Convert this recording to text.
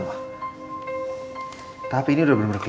ketapa rep x dua